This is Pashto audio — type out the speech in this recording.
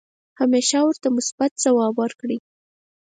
همیشه ورته مثبت ځواب ورکړئ .